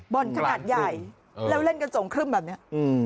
บ่อนขนาดใหญ่แล้วเล่นกระจกครึ่มแบบนี้